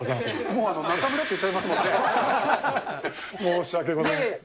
もう中村って言っちゃってま申し訳ございません。